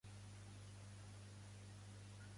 Què més s'ha fet públic sobre el rei emèrit?